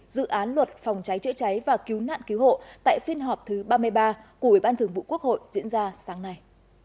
dự án luật phòng cháy chữa cháy và cứu nạn cứu hộ tại phiên họp thứ ba mươi ba của ubth diễn ra sáng nay